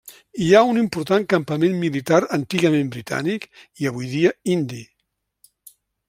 Hi ha un important campament militar antigament britànic i avui dia indi.